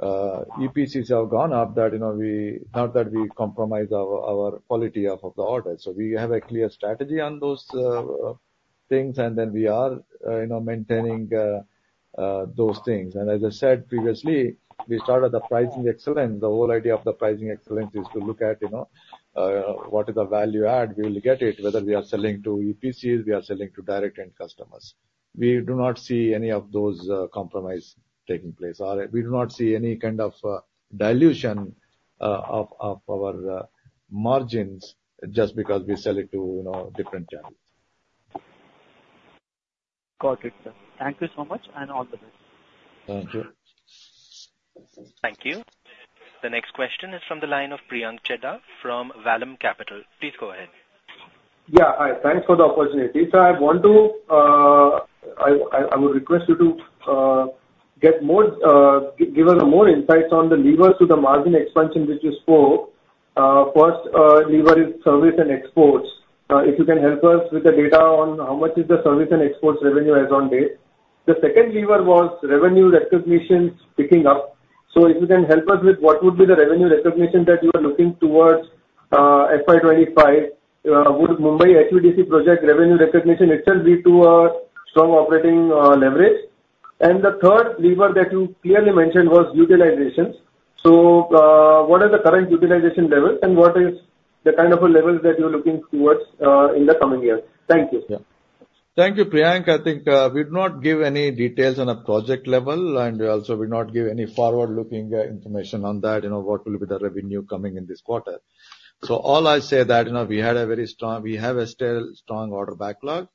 EPCs have gone up, that, you know, we... not that we compromise our quality of the order. So we have a clear strategy on those things, and then we are, you know, maintaining those things. And as I said previously, we started the pricing excellence. The whole idea of the pricing excellence is to look at, you know, what is the value add we will get it, whether we are selling to EPCs, we are selling to direct end customers. We do not see any of those compromise taking place, or we do not see any kind of dilution of our margins just because we sell it to, you know, different channels. Got it, sir. Thank you so much, and all the best. Thank you. Thank you. The next question is from the line of Priyank Chheda from Vallum Capital. Please go ahead. Yeah, hi. Thanks for the opportunity. So I want to, I would request you to get more, give us more insights on the levers to the margin expansion which you spoke. First, lever is service and exports. If you can help us with the data on how much is the service and exports revenue as on date. The second lever was revenue recognition picking up. So if you can help us with what would be the revenue recognition that you are looking towards, FY 2025, would Mumbai HVDC project revenue recognition itself lead to a strong operating, leverage? And the third lever that you clearly mentioned was utilizations. So, what are the current utilization levels, and what is the kind of a levels that you're looking towards, in the coming years? Thank you. Yeah. Thank you, Priyank. I think, we do not give any details on a project level, and we also will not give any forward-looking, information on that, you know, what will be the revenue coming in this quarter. So all I say that, you know, we had a very strong—we have a still strong order backlog,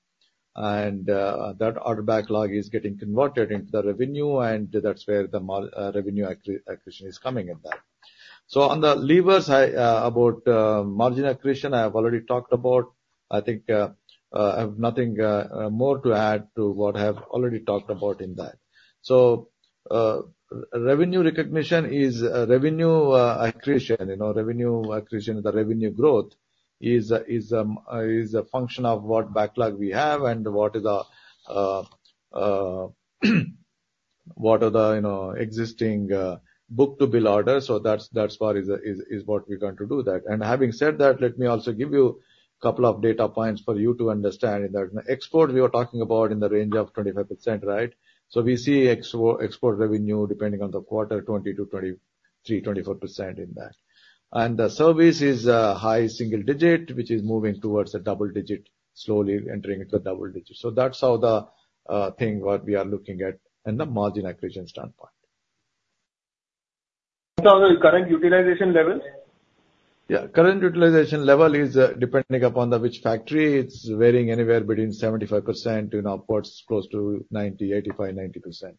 and, that order backlog is getting converted into the revenue, and that's where the revenue accretion is coming in that. So on the levers, I, about, margin accretion, I have already talked about. I think, I have nothing, more to add to what I have already talked about in that. So, revenue recognition is revenue accretion, you know, revenue accretion, the revenue growth is a function of what backlog we have and what is our, what are the, you know, existing book-to-bill orders. So that's, that part is what we're going to do that. And having said that, let me also give you a couple of data points for you to understand that export we were talking about in the range of 25%, right? So we see export revenue, depending on the quarter, 20%-23%, 24% in that. And the service is high single digit, which is moving towards a double digit, slowly entering into the double digit. So that's how the thing, what we are looking at in the margin accretion standpoint. So the current utilization levels? Yeah. Current utilization level is, depending upon the which factory, it's varying anywhere between 75%, you know, towards close to 90%, 85%-90%.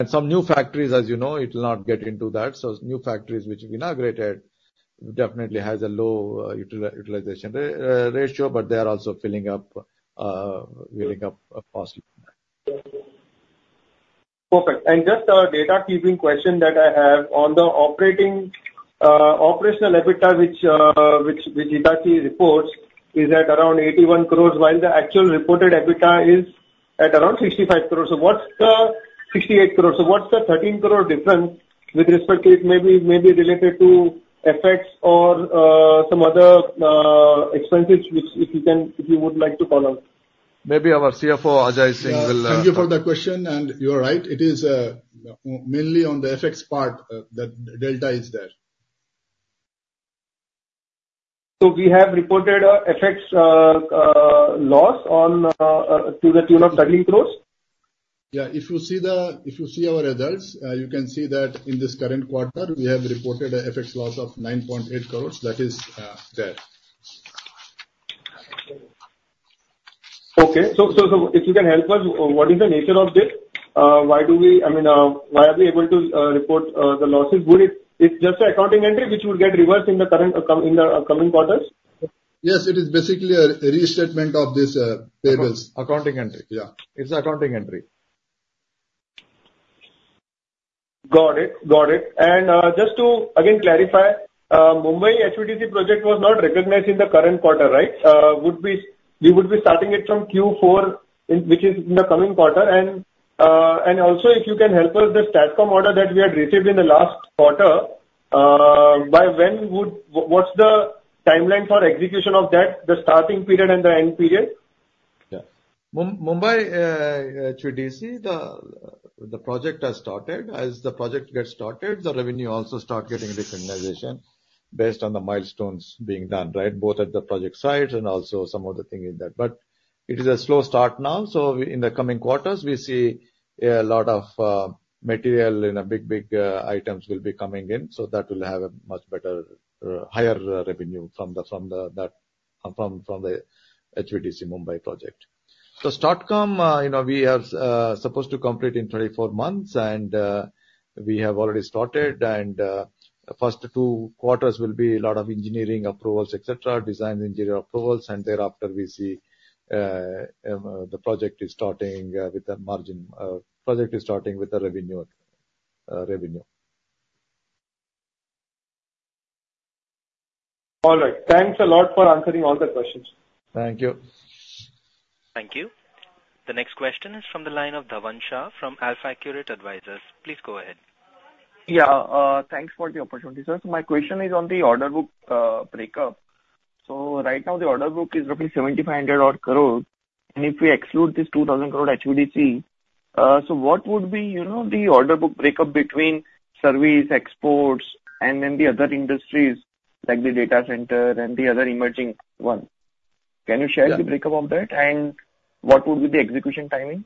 And some new factories, as you know, it will not get into that. So new factories which we inaugurated definitely has a low, utilization ratio, but they are also filling up, building up, of course. Perfect. Just a data keeping question that I have. On the operating, operational EBITDA, which Hitachi reports, is at around 81 crore, while the actual reported EBITDA is at around 65 crore. So what's the 68 crore. So what's the 13 crore difference with respect to it maybe, maybe related to effects or some other expenses, which if you can, if you would like to call out? Maybe our CFO, Ajay Singh, will, Thank you for the question, and you are right. It is mainly on the FX part, that delta is there. So we have reported a FX loss on to the tune of 30 crore? Yeah. If you see our results, you can see that in this current quarter, we have reported a FX loss of 9.8 crore. That is, there. Okay. So if you can help us, what is the nature of this? Why do we, I mean, why are we able to report the losses? Would it... It's just an accounting entry, which will get reversed in the current, in the coming quarters? Yes, it is basically a restatement of this, payments. Accounting entry. Yeah. It's an accounting entry. Got it. Got it. And, just to, again, clarify, Mumbai HVDC project was not recognized in the current quarter, right? Would we- we would be starting it from Q4, in, which is in the coming quarter. And, and also, if you can help us, the STATCOM order that we had received in the last quarter, by when would... What's the timeline for execution of that, the starting period and the end period? Yeah. Mumbai, HVDC, the project has started. As the project gets started, the revenue also start getting recognition based on the milestones being done, right? Both at the project site and also some of the things in that. But it is a slow start now, so in the coming quarters, we see a lot of material in a big, big items will be coming in, so that will have a much better higher revenue from the, from the, that, from, from the HVDC Mumbai project. So STATCOM, you know, we are supposed to complete in 24 months, and we have already started. The first two quarters will be a lot of engineering approvals, et cetera, design engineer approvals, and thereafter we see the project is starting with the margin, project is starting with the revenue, revenue. All right. Thanks a lot for answering all the questions. Thank you. Thank you. The next question is from the line of Dhavan Shah from AlfAccurate Advisors. Please go ahead. Yeah, thanks for the opportunity, sir. My question is on the order book breakup. Right now, the order book is roughly 7,500-odd crore, and if we exclude this 2,000 crore HVDC, what would be, you know, the order book breakup between service, exports, and then the other industries, like the data center and the other emerging one? Can you share- Yeah. the breakup of that, and what would be the execution timing?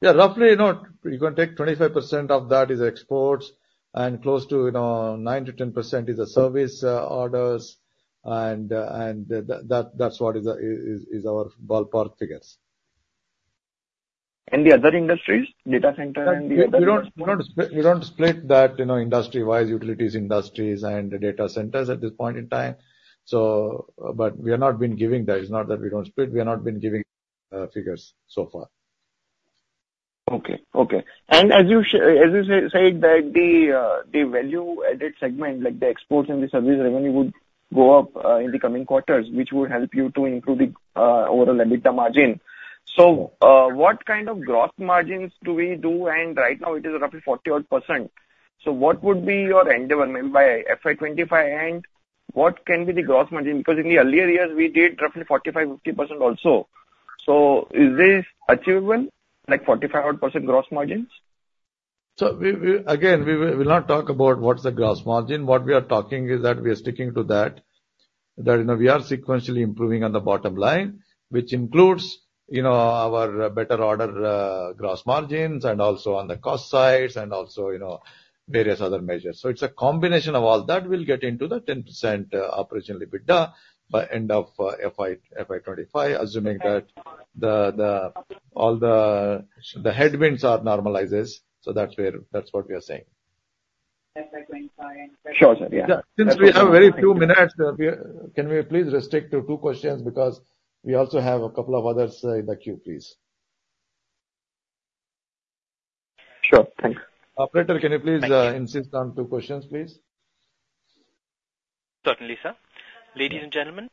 Yeah, roughly, you know, you can take 25% of that is exports, and close to, you know, 9%-10% is the service orders, and that, that's what is our ballpark figures. The other industries, data center and the others? We don't, we don't split, we don't split that, you know, industry-wise, utilities, industries, and the data centers at this point in time. So... But we have not been giving that. It's not that we don't split, we have not been giving figures so far. Okay. Okay. And as you said, that the value added segment, like the exports and the service revenue, would go up in the coming quarters, which would help you to improve the overall EBITDA margin. So, what kind of gross margins do we do? And right now, it is roughly 40-odd%. So what would be your end development by FY 2025, and what can be the gross margin? Because in the earlier years, we did roughly 45%, 50% also. So is this achievable, like 45-odd% gross margins? So we again will not talk about what's the gross margin. What we are talking is that we are sticking to that, you know, we are sequentially improving on the bottom line, which includes, you know, our better order gross margins, and also on the cost sides, and also, you know, various other measures. So it's a combination of all that we'll get into the 10% operational EBITDA by end of FY 2025, assuming that all the headwinds are normalizes. So that's where, that's what we are saying. Sure, sir. Yeah. Yeah. Since we have very few minutes left, we are, can we please restrict to two questions, because we also have a couple of others in the queue, please. Sure. Thanks. Operator, can you please insist on two questions, please? Certainly, sir. Ladies and gentlemen,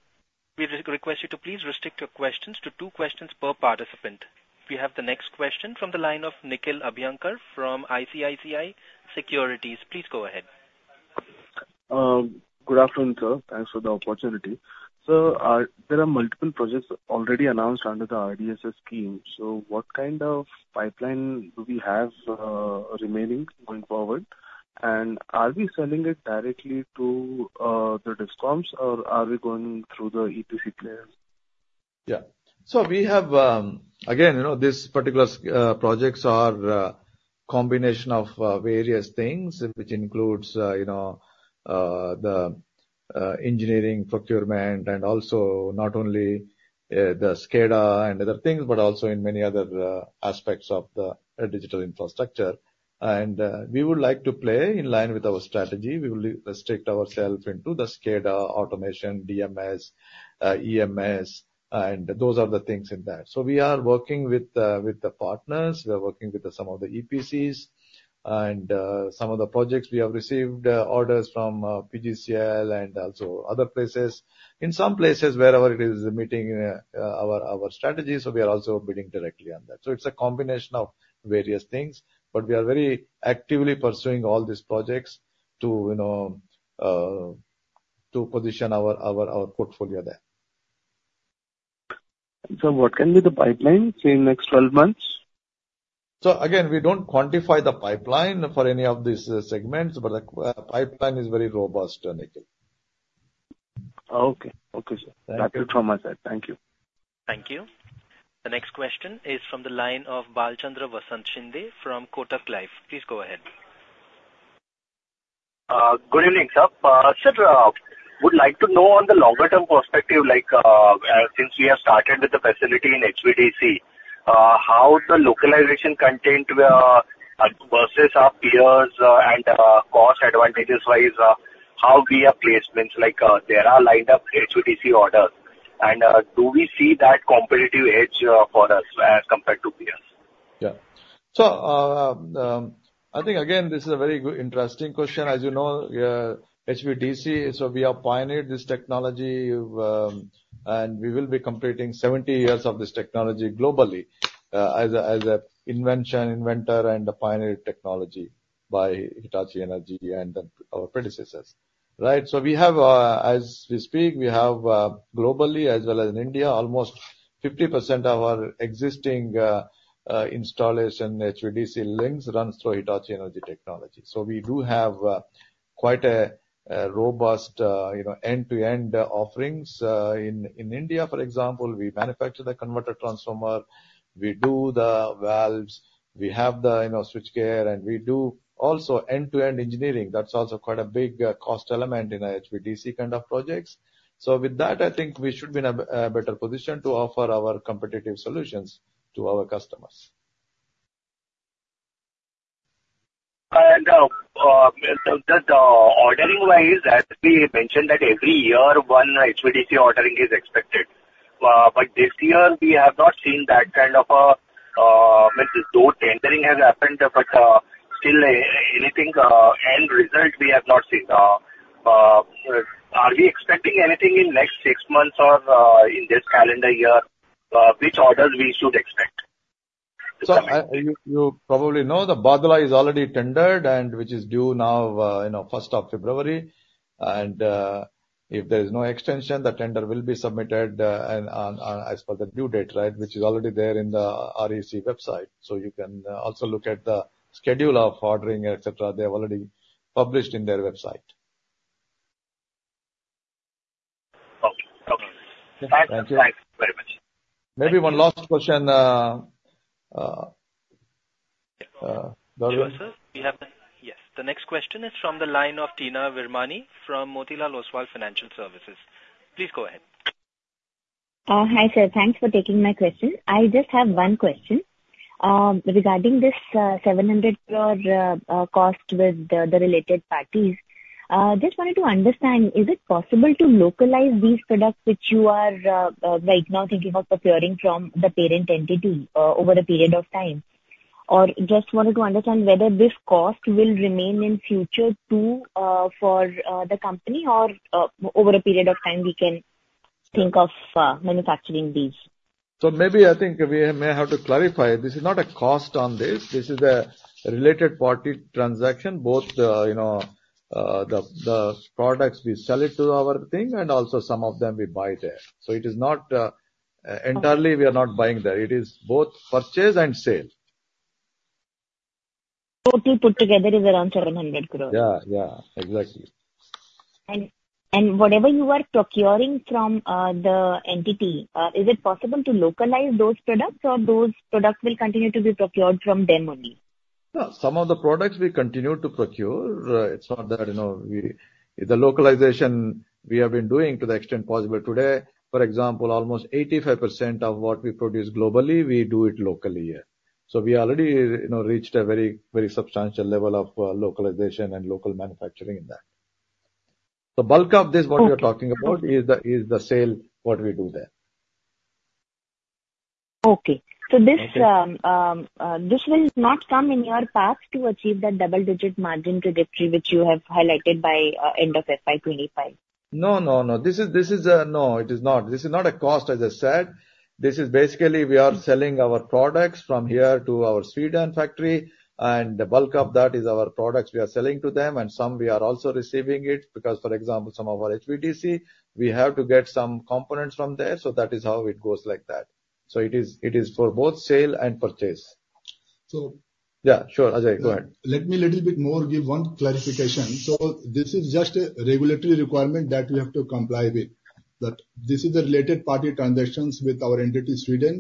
we re-request you to please restrict your questions to two questions per participant. We have the next question from the line of Nikhil Abhyankar from ICICI Securities. Please go ahead. Good afternoon, sir. Thanks for the opportunity. Sir, there are multiple projects already announced under the RDSS scheme, so what kind of pipeline do we have remaining going forward? And are we selling it directly to the DISCOMs or are we going through the EPC players? Yeah. So we have... Again, you know, these particular projects are combination of various things, which includes, you know, the engineering, procurement, and also not only the SCADA and other things, but also in many other aspects of the digital infrastructure. We would like to play in line with our strategy. We will restrict ourselves into the SCADA, automation, DMS, EMS, and those are the things in there. So we are working with the partners, we are working with some of the EPCs, and some of the projects we have received orders from PGCIL and also other places. In some places, wherever it is meeting our strategy, so we are also bidding directly on that. So it's a combination of various things, but we are very actively pursuing all these projects to, you know, to position our portfolio there. What can be the pipeline, say, in next 12 months? So again, we don't quantify the pipeline for any of these segments, but the pipeline is very robust, Nikhil. Okay. Okay, sir. Thank you. Thank you from my side. Thank you. Thank you. The next question is from the line of Bhalchandra Shinde from Kotak Life. Please go ahead. Good evening, sir. Sir, would like to know on the longer term perspective, like, since we have started with the facility in HVDC, how the localization content versus our peers, and cost advantages-wise, how we have placements? Like, there are lined up HVDC orders, and do we see that competitive edge for us as compared to peers? Yeah. So, I think, again, this is a very good, interesting question. As you know, HVDC, so we have pioneered this technology, and we will be completing 70 years of this technology globally, as a, as a invention, inventor and a pioneer technology.... by Hitachi Energy and then our predecessors, right? So we have, as we speak, we have, globally, as well as in India, almost 50% of our existing, installation HVDC links runs through Hitachi Energy Technology. So we do have, quite a, robust, you know, end-to-end offerings, in, in India, for example, we manufacture the converter transformer, we do the valves, we have the, you know, switchgear, and we do also end-to-end engineering. That's also quite a big, cost element in HVDC kind of projects. With that, I think we should be in a better position to offer our competitive solutions to our customers. The ordering-wise, as we mentioned, that every year one HVDC ordering is expected. But this year we have not seen that kind of a means though tendering has happened, but still anything, end result we have not seen. Are we expecting anything in next six months or in this calendar year, which orders we should expect? So, you probably know, the Bhadla is already tendered and which is due now, you know, first of February. And, if there is no extension, the tender will be submitted, and on as per the due date, right, which is already there in the REC website. So you can also look at the schedule of ordering, et cetera. They have already published in their website. Okay. Okay. Thank you. Thanks very much. Maybe one last question? Hello, sir. We have the... Yes. The next question is from the line of Teena Virmani from Motilal Oswal Financial Services. Please go ahead. Hi, sir. Thanks for taking my question. I just have one question, regarding this, 700 crore cost with the, the related parties. Just wanted to understand, is it possible to localize these products which you are, right now thinking of procuring from the parent entity, over a period of time? Or just wanted to understand whether this cost will remain in future, too, for, the company, or, over a period of time we can think of, manufacturing these. So maybe I think we may have to clarify. This is not a cost on this. This is a related party transaction, both, you know, the, the products, we sell it to our team, and also some of them we buy there. So it is not, entirely we are not buying there. It is both purchase and sale. Total put together is around 700 crore. Yeah. Yeah, exactly. And whatever you are procuring from the entity, is it possible to localize those products, or those products will continue to be procured from them only? No, some of the products we continue to procure. It's not that, you know, we... The localization we have been doing to the extent possible today, for example, almost 85% of what we produce globally, we do it locally here. So we already, you know, reached a very, very substantial level of localization and local manufacturing in that. The bulk of this, what you're talking about, is the sale, what we do there. Okay. So this will not come in your path to achieve the double-digit margin trajectory, which you have highlighted by end of FY 2025? No, no, no. This is, this is. No, it is not. This is not a cost, as I said. This is basically, we are selling our products from here to our Sweden factory, and the bulk of that is our products we are selling to them, and some we are also receiving it, because, for example, some of our HVDC, we have to get some components from there, so that is how it goes like that. So it is, it is for both sale and purchase. So- Yeah, sure, Ajay, go ahead. Let me a little bit more give one clarification. So this is just a regulatory requirement that we have to comply with, that this is a related party transactions with our entity, Sweden,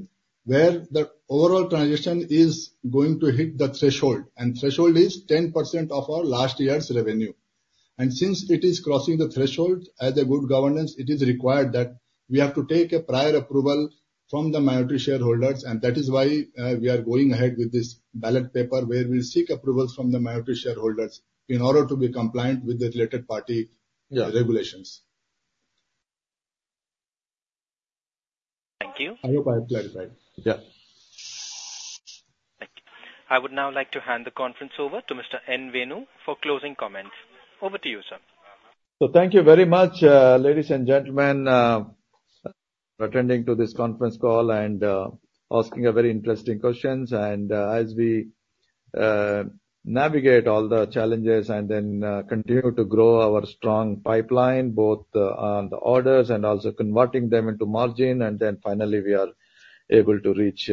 where the overall transaction is going to hit the threshold, and threshold is 10% of our last year's revenue. And since it is crossing the threshold, as a good governance, it is required that we have to take a prior approval from the minority shareholders, and that is why we are going ahead with this ballot paper, where we'll seek approvals from the minority shareholders in order to be compliant with the related party- Yeah... regulations. Thank you. I hope I have clarified. Yeah. Thank you. I would now like to hand the conference over to Mr. N. Venu for closing comments. Over to you, sir. Thank you very much, ladies and gentlemen, for attending to this conference call and asking a very interesting questions. As we navigate all the challenges and then continue to grow our strong pipeline, both on the orders and also converting them into margin, and then finally we are able to reach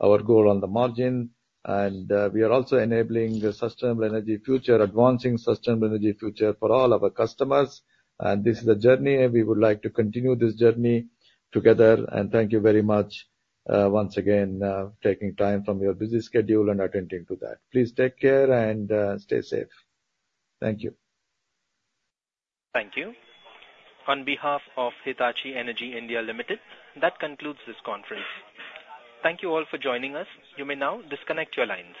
our goal on the margin. We are also enabling the sustainable energy future, advancing sustainable energy future for all our customers. This is a journey, and we would like to continue this journey together. Thank you very much once again taking time from your busy schedule and attending to that. Please take care and stay safe. Thank you. Thank you. On behalf of Hitachi Energy India Limited, that concludes this conference. Thank you all for joining us. You may now disconnect your lines.